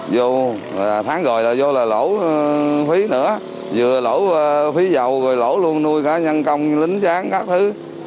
vô tháng rồi là vô là lỗ phí nữa vừa lỗ phí dầu rồi lỗ luôn nuôi cá nhân công lính dán các thứ